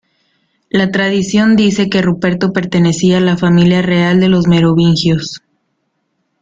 La tradición dice que Ruperto pertenecía a la familia real de los merovingios.